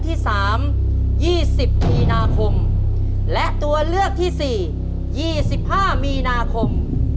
ที่สามยี่สิบมีนาคมและตัวเลือกที่สี่ยี่สิบห้ามีนาคม